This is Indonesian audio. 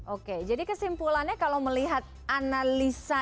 oke jadi kesimpulannya kalau melihat analisa